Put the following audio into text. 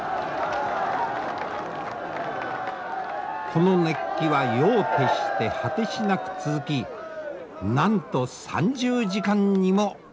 この熱気は夜を徹して果てしなく続きなんと３０時間にも及びます。